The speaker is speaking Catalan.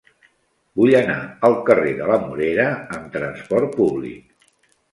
Vull anar al carrer de la Morera amb trasport públic.